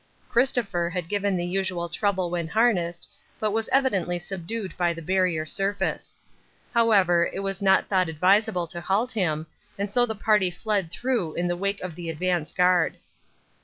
Christopher had given the usual trouble when harnessed, but was evidently subdued by the Barrier Surface. However, it was not thought advisable to halt him, and so the party fled through in the wake of the advance guard.